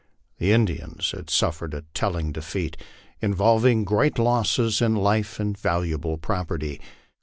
The Indians had suffered a telling defeat, involving great losses in life and Valuable property.